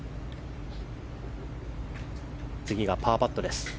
次がパーパットです。